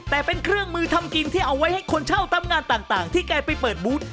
แต่เป็นเครื่องมือทำกินที่เอาไว้ให้คนเช่าตามงานต่างที่แกไปเปิดบูธ